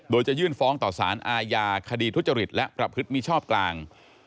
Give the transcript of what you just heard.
โดยจะยื่นฟ้องต่อสารอาญาคดีทุจริตและประพฤติมิชอบกลาง